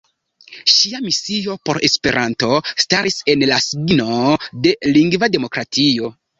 Ŝia misio por Esperanto staris en la signo de lingva demokratio.